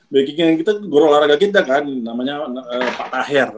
backing kita guru olahraga kita kan namanya pak tahir